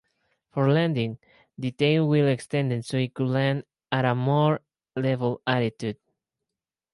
For landing the tailwheel extended so it could land at a more level attitude.